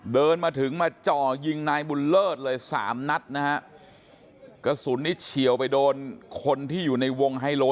เดินมาถึงมาจ่อยิงนายบุญเลิศเลยสามนัดนะฮะกระสุนนี้เฉียวไปโดนคนที่อยู่ในวงไฮโล